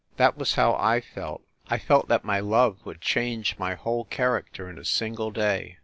That was how I felt. I thought that my love would change my whole character in a single day.